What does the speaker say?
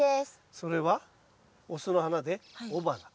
それは雄の花で雄花。